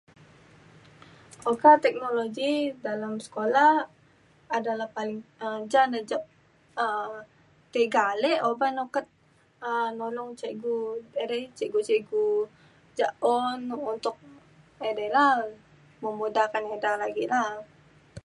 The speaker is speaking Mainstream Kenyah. oka teknologi dalem sekola adalah paling ja ne jek um tega alik oban okat um nolong cikgu edei cikgu cikgu jek un untuk edei re memudahkan eda lagi la.